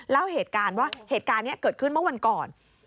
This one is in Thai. เล่าเหตุการณ์ว่าเหตุการณ์นี้เกิดขึ้นเมื่อวันก่อน